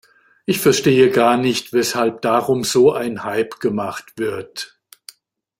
Ich verstehe gar nicht, weshalb darum so ein Hype gemacht wird.